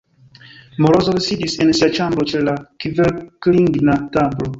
Morozov sidis en sia ĉambro ĉe la kverkligna tablo.